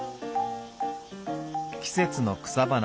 季節の草花。